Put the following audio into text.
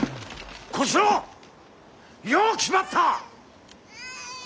小四郎よう気張った！